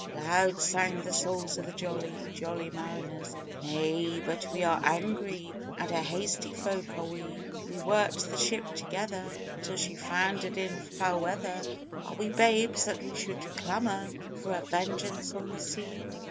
Loud sang the souls of the jolly, jolly mariners: "Nay, but we were angry, and a hasty folk are we! If we worked the ship together Till she foundered in foul weather, Are we babes that we should clamour for a vengeance on the sea?"